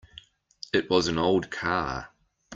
It was an old car.